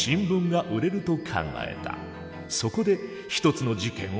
そこで一つの事件を報じた。